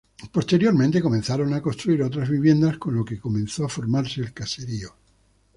Posteriormente comenzaron a construir otras viviendas con lo que comenzó a formarse el caserío.